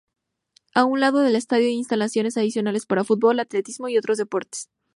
A un lado del estadio hay instalaciones adicionales para fútbol, atletismo y otros deportes.